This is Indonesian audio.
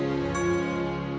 raus akan datang